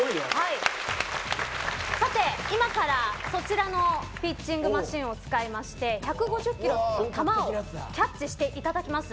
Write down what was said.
今から、そちらのピッチングマシンを使いまして１５０キロの球をキャッチしていただきます。